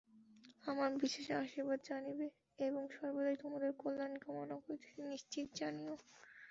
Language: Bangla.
আমার বিশেষ আশীর্বাদ জানিবে, এবং সর্বদাই তোমাদের কল্যাণ কামনা করিতেছি, নিশ্চিত জানিও।